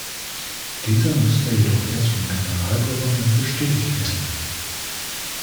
Dieser musste jedoch erst vom Generalgouverneur bestätigt werden.